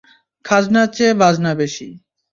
খাজনার চেয়ে বাজনা বেশি।